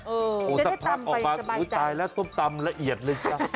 เออจะได้ตำไปสบายจังอุยตายล่ะตำตำตำละเอียดเลยจ้ะ